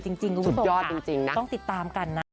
สุดยอดจริงต้องติดตามกันนะ